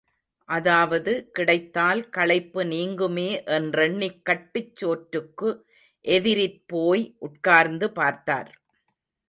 அதாவது கிடைத்தால் களைப்பு நீங்குமே என்றெண்ணிக் கட்டுச் சோற்றுக்கு எதிரிற் போய் உட்கார்ந்து பார்த்தார்.